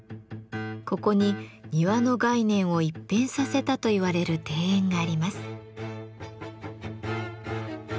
ここに庭の概念を一変させたといわれる庭園があります。